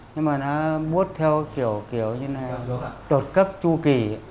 nhưng mà nó bút theo kiểu như đột cấp chu kỷ